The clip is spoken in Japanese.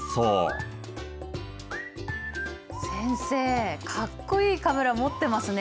先生かっこいいカメラ持ってますね。